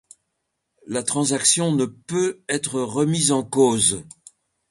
La transaction ne peut être remise en cause.